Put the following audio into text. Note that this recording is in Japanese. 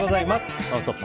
「ノンストップ！」